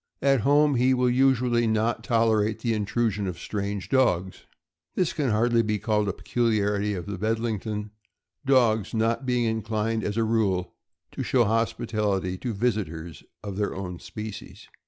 At home he will usually not tolerate the intrusion of strange dogs. . This can hardly be called a peculiarity of the Bedlington, dogs not being inclined, as a rule, to show hospitality to visitors of their own species.